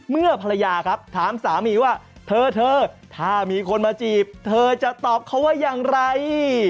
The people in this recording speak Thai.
ภรรยาครับถามสามีว่าเธอถ้ามีคนมาจีบเธอจะตอบเขาว่าอย่างไร